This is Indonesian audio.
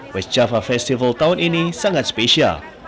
west java festival tahun ini sangat spesial